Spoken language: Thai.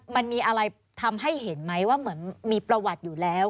มันมีอะไรทำให้เห็นไหมว่าเหมือนมีประวัติอยู่แล้ว